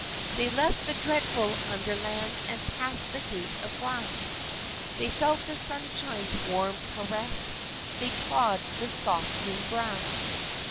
They left the dreadful under land and passed the gate of glass; They felt the sunshine's warm caress, they trod the soft, green grass.